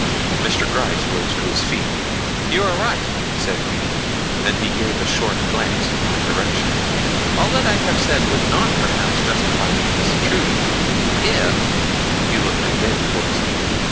Mr. Gryce rose to his feet. "You are right," said he, and he gave a short glance in my direction. "All that I have said would not perhaps justify me in this intrusion, if " he looked again towards me.